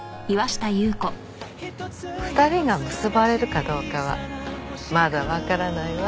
２人が結ばれるかどうかはまだわからないわ。